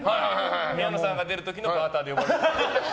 宮野さんが出る時のバーターで呼ばれる。